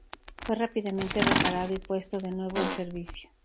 Fue rápidamente reparado y puesto de nuevo en servicio.